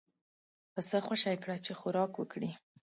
پسه خوشی کړه چې خوراک وکړي.